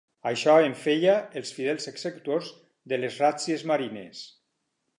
Això en feia els fidels executors de les ràtzies marines.